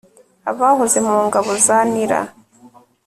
abahoze mu ngabo za nra